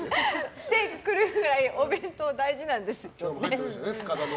ってぐらいお弁当大事なんです。